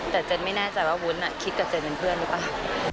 แต่เจนไม่แน่ใจว่าวุ้นคิดกับเจนเป็นเพื่อนหรือเปล่า